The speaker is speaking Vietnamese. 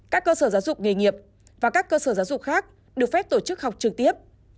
các cơ sở giáo dục nghề nghiệp và các cơ sở giáo dục khác được phép tổ chức học trực tiếp